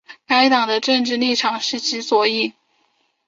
该党的政治立场是极左翼。